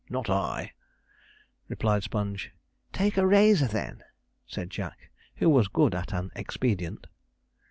'Not I,' replied Sponge. 'Take a razor, then,' said Jack, who was good at an expedient.